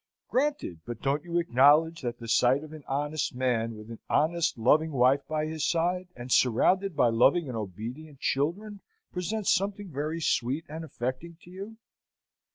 Granted but don't you acknowledge that the sight of an honest man, with an honest, loving wife by his side, and surrounded by loving and obedient children, presents something very sweet and affecting to you?